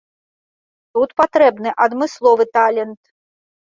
Тут патрэбны адмысловы талент.